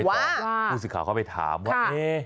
ทูสิคารเขาไปถามว่าเอ๊ะ